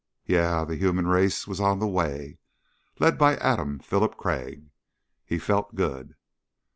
Yeah, the human race was on the way led by Adam Philip Crag. He felt good.